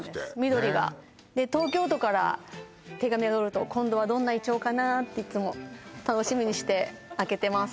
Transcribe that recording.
緑が東京都から手紙がくると今度はどんなイチョウかなっていっつも楽しみにして開けてます